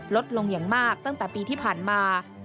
ลดลงอย่างมากตั้งแต่ปีที่ผ่านมา